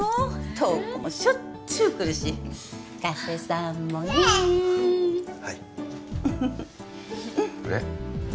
瞳子もしょっちゅう来るし加瀬さんもねはいあれ？